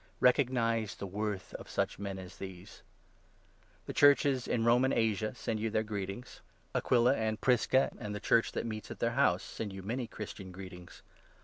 Recognize the worth of such men as these. The Churches in Roman Asia send you their 19 '"•* greetings. Aquila and Prisca and the Church that meets at their house send you many Christian greetings.